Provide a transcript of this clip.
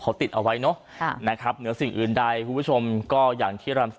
เขาติดเอาไว้เนอะค่ะนะครับเหนือสิ่งอื่นใดคุณผู้ชมก็อย่างที่รำ